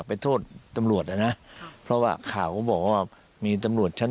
นี่ค่ะมุมมองของอาจารย์ปรเมฆซึ่งนอกจากนี้ก็ยังแนะนำถึงการทำงานของตำรวจด้วย